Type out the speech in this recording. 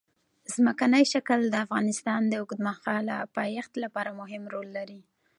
ځمکنی شکل د افغانستان د اوږدمهاله پایښت لپاره مهم رول لري.